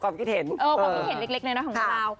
ความคิดเห็นเล็กน้อยของเรา